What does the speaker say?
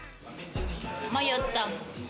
迷った。